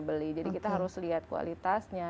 beli jadi kita harus lihat kualitasnya